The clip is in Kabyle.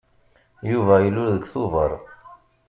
Yuba ilul deg Tubeṛ.